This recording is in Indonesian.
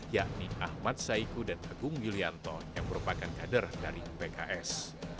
yakni ahmad saiku dan agung yulianto yang merupakan kader dari pks